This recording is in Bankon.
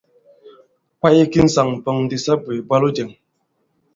Kwaye ki ŋsàŋ pōn di sa bwě, ìbwalo jɛ̄ŋ!